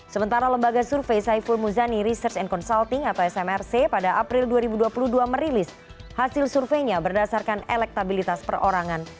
sementara lembaga survei saiful muzani research and consulting atau smrc pada april dua ribu dua puluh dua merilis hasil surveinya berdasarkan elektabilitas perorangan